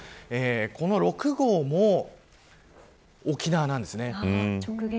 この６号も沖縄なんですね。